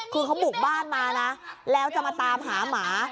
คือเขาบุกบ้านมานะแล้วจะมาตามหาหมา